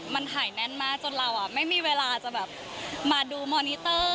มันหายแน่นมากจนเราไม่มีเวลาจะแบบมาดูมอนิเตอร์